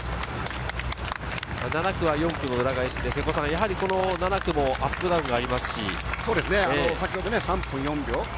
７区は４区の裏返しで、７区もアップダウンがありますし。